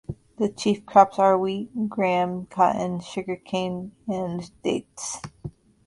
The chief crops are wheat, gram, cotton, sugarcane, and dates.